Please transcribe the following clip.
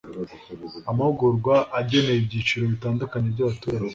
amahugurwa agenewe ibyiciro bitandukanye by'abaturage